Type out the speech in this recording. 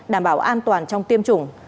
đảm bảo an toàn trong tiêm chủng